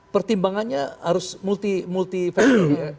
pertimbangannya harus multi factor